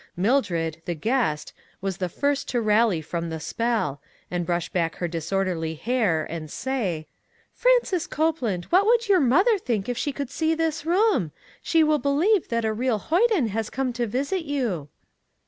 Mildred, the guest, was the first to rally from the spell, and brush back her disor derly hair and say : "Frances Copeland, what would your mother think if she could see this room? She will believe that a real hoyden has come to visit you."